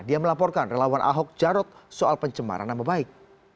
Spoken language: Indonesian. dia melaporkan relawan ahok jarot soal pencemaran nama baik